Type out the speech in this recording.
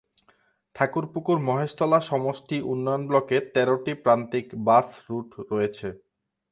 ঠাকুরপুকুর মহেশতলা সমষ্টি উন্নয়ন ব্লকে তেরোটি প্রান্তিক বাস রুট রয়েছে।